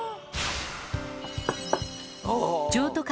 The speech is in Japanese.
譲渡会